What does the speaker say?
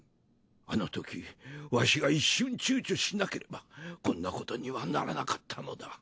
あのときわしが一瞬ちゅうちょしなければこんなことにはならなかったのだ。